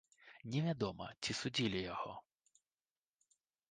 Невядома, ці судзілі яго.